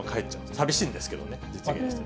さみしいんですけれどもね、実現してる。